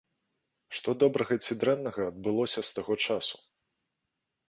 Што добрага ці дрэннага адбылося з таго часу?